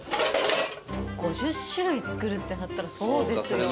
５０種類作るってなったらそうですよね。